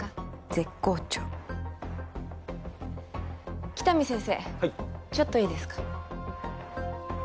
絶好調喜多見先生はいちょっといいですか？